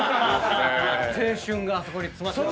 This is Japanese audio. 青春があそこに詰まってる。